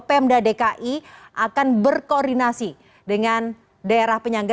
pemda dki akan berkoordinasi dengan daerah penyangga